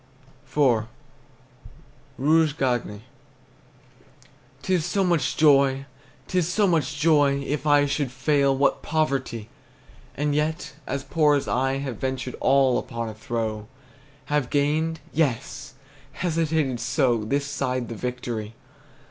IV. ROUGE GAGNE. 'T is so much joy! 'T is so much joy! If I should fail, what poverty! And yet, as poor as I Have ventured all upon a throw; Have gained! Yes! Hesitated so This side the victory!